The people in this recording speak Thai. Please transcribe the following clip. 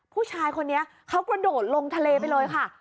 ผู้ชายคนนี้เขากระโดดลงทะเลไปเลยค่ะ